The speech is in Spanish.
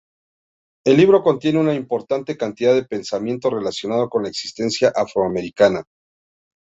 El libro contiene una importante cantidad de pensamiento relacionado con la existencia afroamericana.